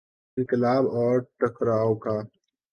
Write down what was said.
انقلاب اور ٹکراؤ کا۔